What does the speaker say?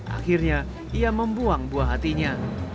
akhirnya ia membuang buah hatinya